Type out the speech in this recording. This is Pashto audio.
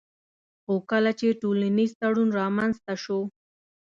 خو کله چي ټولنيز تړون رامنځته سو